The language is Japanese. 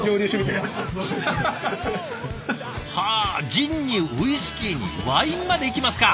ジンにウイスキーにワインまでいきますか！